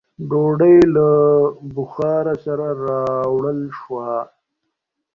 ډوډۍ له بخاره سره راوړل شوه.